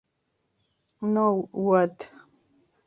Now What?